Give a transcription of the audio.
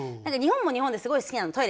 日本も日本ですごい好きなの。